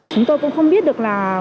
chúng tôi cũng không biết được là